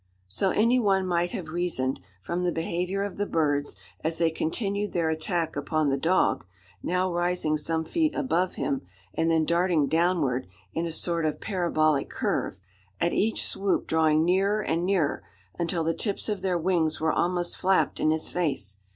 So any one might have reasoned, from the behaviour of the birds, as they continued their attack upon the dog now rising some feet above him, and then darting downward in a sort of parabolic curve at each swoop drawing nearer and nearer, until the tips of their wings were almost flapped in his face.